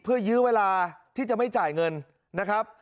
เพื่อยื้อเวลาที่จะไม่จ่ายเงินนะครับ